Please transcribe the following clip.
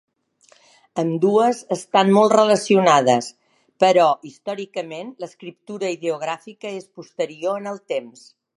Ambdues estan molt relacionades, però, històricament, l'escriptura ideogràfica és posterior en el temps.